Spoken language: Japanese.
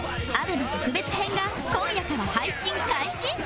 ＡＢＥＭＡ 特別編が今夜から配信開始